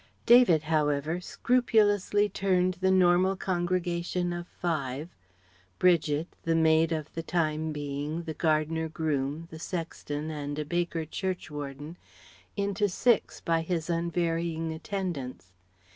David however scrupulously turned the normal congregation of five Bridget, the maid of the time being, the gardener groom, the sexton, and a baker church warden into six by his unvarying attendance.